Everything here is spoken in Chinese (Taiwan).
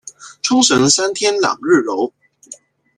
沖繩三天兩日遊